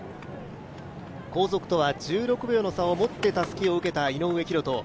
後続とは１６秒の差を持ってたすきを受けた井上大仁。